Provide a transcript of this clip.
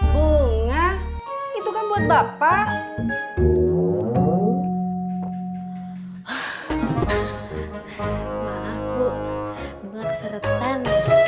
maaf bu gue keseretan